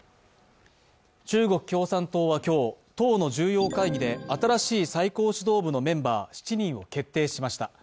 中国共産党は今日、党の重要会議で新しい最高指導部のメンバー７人を決定しました。